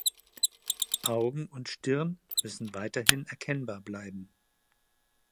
Augen und Stirn müssen weiterhin erkennbar bleiben.